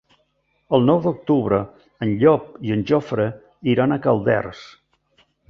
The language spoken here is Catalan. El nou d'octubre en Llop i en Jofre iran a Calders.